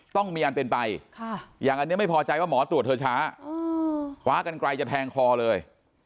ต้องมีอันเป็นไปอย่างอันนี้ไม่พอใจว่าหมอตรวจเธอช้าคว้ากันไกลจะแทงคอเลย